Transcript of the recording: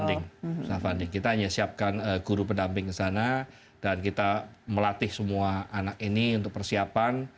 nah kita hanya siapkan guru pendamping ke sana dan kita melatih semua anak ini untuk persiapan